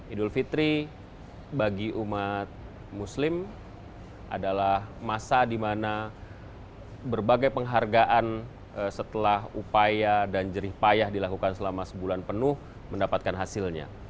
idul fitri bagi umat muslim adalah masa di mana berbagai penghargaan setelah upaya dan jerih payah dilakukan selama sebulan penuh mendapatkan hasilnya